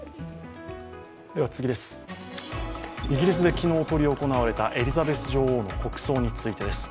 イギリスで昨日執り行われたエリザベス女王の国葬についてです。